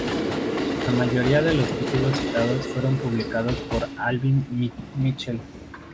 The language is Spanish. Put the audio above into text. La mayoría de los títulos citados fueron publicados por Albin Michel.